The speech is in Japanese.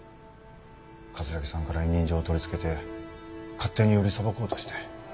桂木さんから委任状を取りつけて勝手に売りさばこうとして。